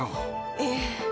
ええ。